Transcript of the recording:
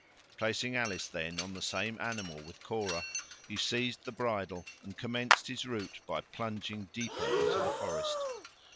Placing Alice, then, on the same animal with Cora, he seized the bridle, and commenced his route by plunging deeper into the forest.